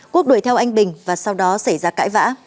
quốc đuổi theo anh bình và sau đó xảy ra cãi vã